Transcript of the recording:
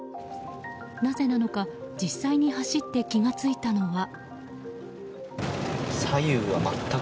なぜなのか実際に走って気が付いたのは。